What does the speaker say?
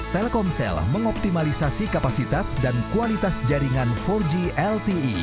telkomsel mengoptimalisasi kapasitas dan kualitas jaringan empat g lte